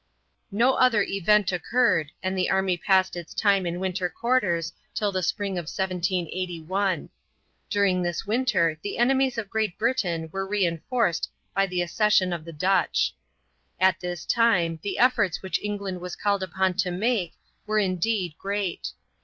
No other event occurred, and the army passed its time in winter quarters till the spring of 1781. During this winter the enemies of Great Britain were re enforced by the accession of the Dutch. At this time the efforts which England was called upon to make were indeed great.